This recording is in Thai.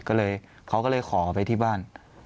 เขาก็เลยขอไปที่บ้าน